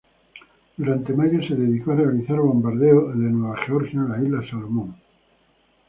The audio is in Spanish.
Durante mayo, se dedicó a realizar bombardeos de Nueva Georgia en las Islas Salomón.